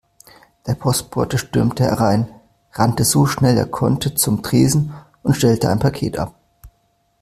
Der Postbote stürmte herein, rannte so schnell er konnte zum Tresen und stellte ein Paket ab.